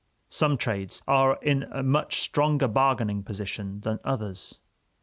Some trades are in a much stronger bargaining position than others.